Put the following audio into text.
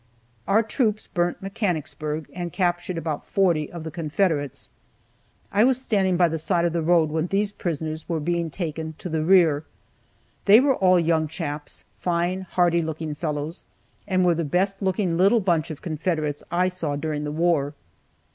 Our troops burnt Mechanicsburg, and captured about forty of the Confederates. I was standing by the side of the road when these prisoners were being taken to the rear. They were all young chaps, fine, hearty looking fellows, and were the best looking little bunch of Confederates I saw during the war.